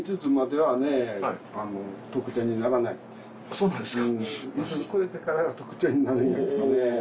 そうなんですか。